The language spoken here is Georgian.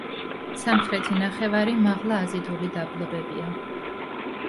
სამხრეთი ნახევარი მაღლა აზიდული დაბლობებია.